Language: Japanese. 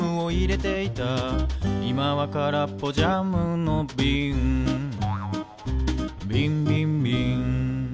「いまはからっぽジャムのびん」「びんびんびん」